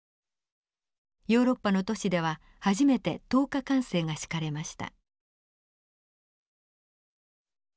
ヨーロッパの都市では初めて灯火管制が敷かれました。